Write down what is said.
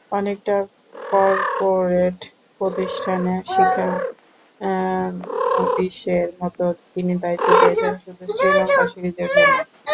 অনেকটা করপোরেট প্রতিষ্ঠানে শিক্ষানবিশের মতো, তিনি দায়িত্ব পেয়েছেন শুধু শ্রীলঙ্কা সিরিজের জন্য।